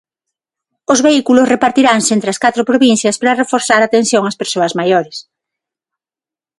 Os vehículos repartiranse entre as catro provincias para reforzar a atención ás persoas maiores.